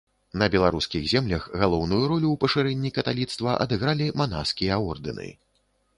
На беларускіх землях галоўную ролю ў пашырэнні каталіцтва адыгралі манаскія ордэны.